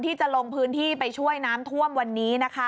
ที่จะลงพื้นที่ไปช่วยน้ำท่วมวันนี้นะคะ